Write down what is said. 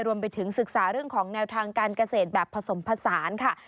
รวมถึงศึกษาเรื่องของแนวทางการเกษตรแบบผสมผสานค่ะ